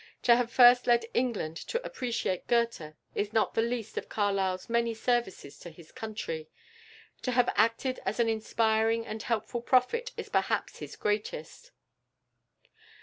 To have first led England to appreciate Goethe is not the least of Carlyle's many services to his country. To have acted as an inspiring and helpful prophet is perhaps his greatest.